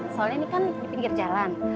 soalnya ini kan di pinggir jalan